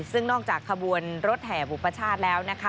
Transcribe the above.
ซึ่งนอกจากขบวนรถแห่บุปชาติแล้วนะคะ